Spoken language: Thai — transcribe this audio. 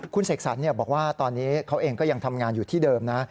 คุณเสกสรรบอกว่าตอนนี้เขาเองก็ยังทำงานอยู่ที่เดิมนะ